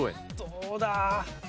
どうだ？